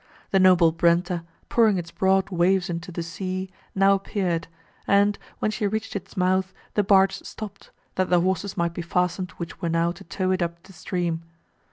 The noble Brenta, pouring its broad waves into the sea, now appeared, and, when she reached its mouth, the barge stopped, that the horses might be fastened which were now to tow it up the stream.